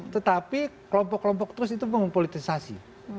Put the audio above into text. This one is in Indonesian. tetapi kelompok kelompok terus itu mempolitisasi